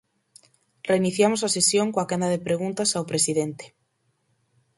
Reiniciamos a sesión coa quenda de preguntas ao presidente.